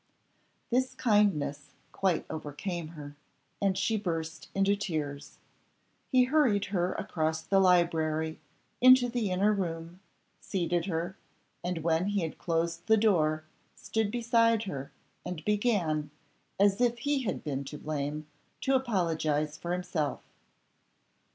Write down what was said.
This kindness quite overcame her, and she burst into tears. He hurried her across the library, into the inner room, seated her, and when he had closed the door, stood beside her, and began, as if he had been to blame, to apologise for himself.